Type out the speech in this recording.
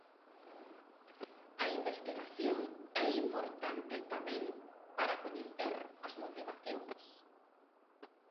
A investigación é importante tamén para coñecer as motivacións.